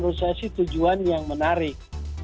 menurut saya sih tujuan yang menarik